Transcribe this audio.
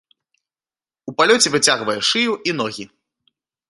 У палёце выцягвае шыю і ногі.